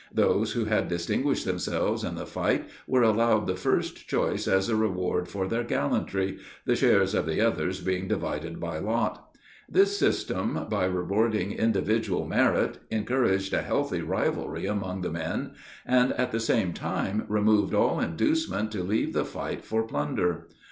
Those who had distinguished themselves in the fight were allowed the first choice as a reward for their gallantry, the shares of the others being divided by lot. This system, by rewarding individual merit, encouraged a healthy rivalry among the men, and at the same time removed all inducement to leave the fight for plunder.